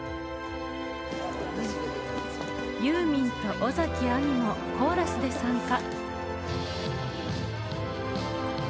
ユーミンと尾崎亜美もコーラスで参加。